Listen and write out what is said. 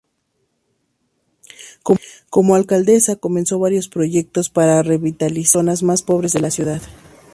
Como alcaldesa, comenzó varios proyectos para revitalizar las zonas más pobres de la ciudad.